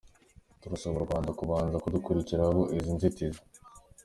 Turasaba u Rwanda kubanza kudukuriraho izi nzitizi’’.